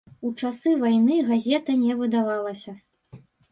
У часы вайны газета не выдавалася.